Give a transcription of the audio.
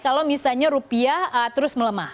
kalau misalnya rupiah terus melemah